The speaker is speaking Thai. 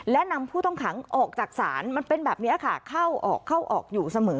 และนำผู้ต้องขังออกจากศาลมันเป็นแบบนี้ค่ะเข้าออกเข้าออกอยู่เสมอ